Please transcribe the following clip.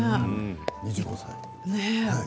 ２５歳。